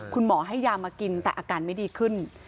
คุณหมอให้ยามากินแต่อาการไม่ดีขึ้น